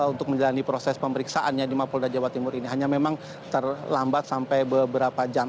untuk menjalani proses pemeriksaannya di mapolda jawa timur ini hanya memang terlambat sampai beberapa jam